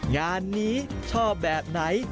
งานนี้ชอบแบบไหน